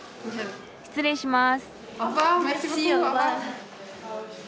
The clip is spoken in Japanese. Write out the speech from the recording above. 失礼します。